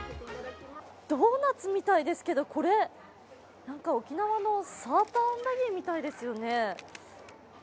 ドーナツみたいですけど、これ沖縄のサーターアンダギーみたいですよね。